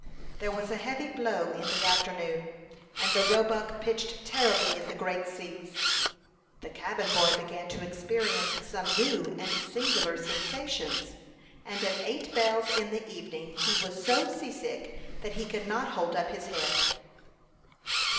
There was a heavy blow in the afternoon, and the Roebuck pitched terribly in the great seas. The cabin boy began to experience some new and singular sensations, and at eight bells in the evening he was so seasick that he could not hold up his head.